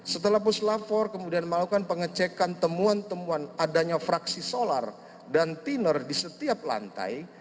setelah puslavor kemudian melakukan pengecekan temuan temuan adanya fraksi solar dan tiner di setiap lantai